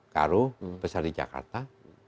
baru besar di jakarta